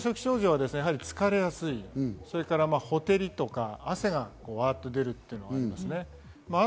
疲れやすい、それからほてりとか、汗がわっと出るとかありますね。